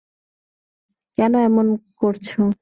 কেন এমন করছ?